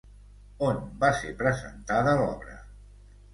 On va ser presentada l'obra?